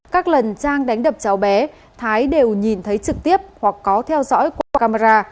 các lần trang đánh đập cháu bé thái đều nhìn thấy trực tiếp hoặc có theo dõi qua camera